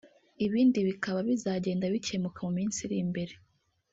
ibindi bikaba bizagenda bikemuka mu minsi iri imbere